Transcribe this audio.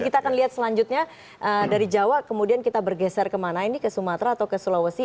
kita akan lihat selanjutnya dari jawa kemudian kita bergeser kemana ini ke sumatera atau ke sulawesi